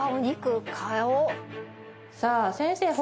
さあ先生